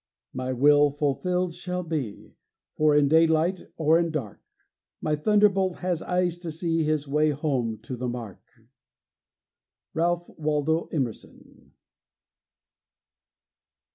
My will fulfilled shall be, For, in daylight or in dark, My thunderbolt has eyes to see His way home to the mark. RALPH WALDO EMERSON.